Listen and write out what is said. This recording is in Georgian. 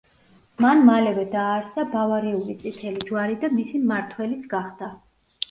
მან მალევე დააარსა ბავარიული წითელი ჯვარი და მისი მმართველიც გახდა.